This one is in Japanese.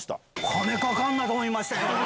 金かかんなと思いましたけど。